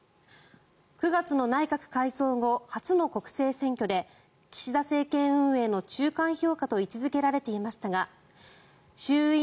９月の内閣改造後初の国政選挙で岸田政権運営の中間評価と位置付けられていましたが衆院